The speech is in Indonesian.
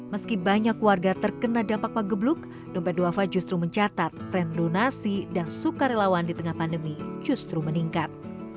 meski banyak warga terkena dampak pagebluk dompet duafa justru mencatat tren donasi dan sukarelawan di tengah pandemi justru meningkat